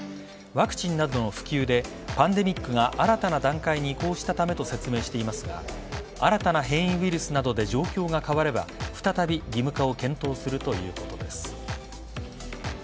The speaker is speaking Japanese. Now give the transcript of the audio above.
ワクチンなどの普及でパンデミックが新たな段階に移行したためと説明していますが新たな変異ウイルスなどで状況が変われば、再び義務化を検討するということです。